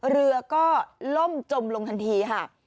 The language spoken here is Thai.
เรือก็ล่มจมลงทันทีค่ะ